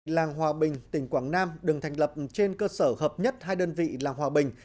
làng hòa bình tỉnh quảng nam đường thành lập trên cơ sở hợp nhất hai đơn vị là hòa bình